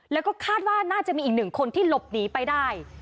แล้วก็คาดว่าน่าจะมีอีกหนึ่งคนที่หลบหนีไปได้